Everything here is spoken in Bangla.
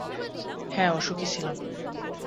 হ্যাঁ, অসুখী ছিলাম।